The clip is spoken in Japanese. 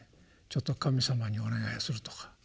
ちょっと神様にお願いするとか。